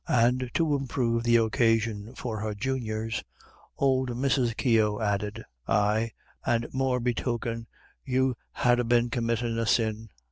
And to improve the occasion for her juniors, old Mrs. Keogh added, "Aye, and morebetoken you'd ha' been committin' a sin."